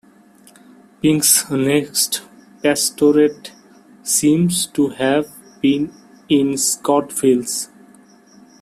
Pink's next pastorate seems to have been in Scottsville.